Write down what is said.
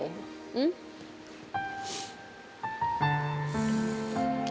อืม